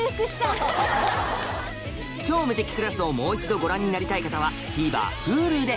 『超無敵クラス』をもう一度ご覧になりたい方はＴＶｅｒＨｕｌｕで